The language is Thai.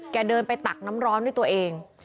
เดินไปตักน้ำร้อนด้วยตัวเอง